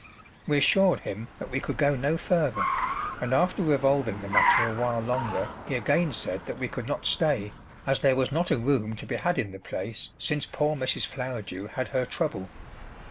We assured him that we could go no further, and after revolving the matter a while longer he again said that we could not stay, as there was not a room to be had in the place since poor Mrs. Flowerdew had her trouble.